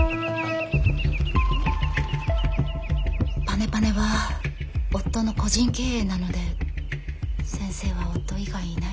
パネパネは夫の個人経営なので先生は夫以外いないんです。